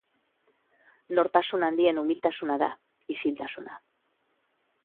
Nortasun handien umiltasuna da, isiltasuna.